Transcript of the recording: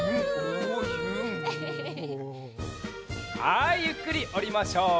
はいゆっくりおりましょう。